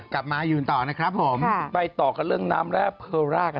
กับสักนิดหนึ่งได้ไหมครับ